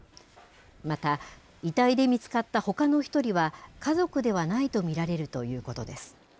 また遺体で見つかったほかの１人は家族ではないと見られるということです。